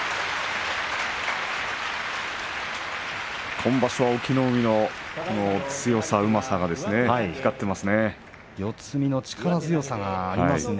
今場所は隠岐の海のうまさ、強さが光ってますね。